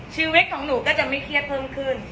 ชีวิตของหนูก็จะไม่เครียดเพิ่มขึ้น